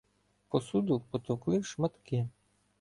Посуду потовкли в шматки.